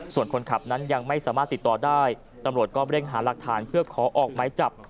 ส่วนคนขับนั้นยังไม่สามารถติดต่อได้ตำรวจก็เร่งหาหลักฐานเพื่อขอออกไม้จับ